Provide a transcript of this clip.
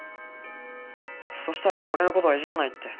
そしたらもう俺の事はイジらないって。